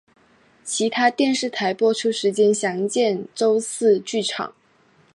其他电视台播出时间详见周四剧场。